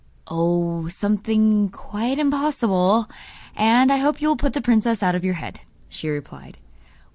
'Oh, something quite impossible; and I hope you will put the princess out of your head,' she replied.